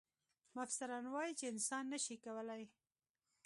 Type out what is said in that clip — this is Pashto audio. مفسران وايي چې انسان نه شي کولای.